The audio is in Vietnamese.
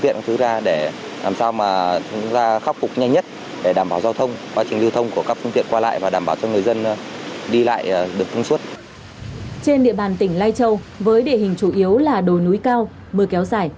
trên địa bàn tỉnh lai châu với địa hình chủ yếu là đồi núi cao mưa kéo dài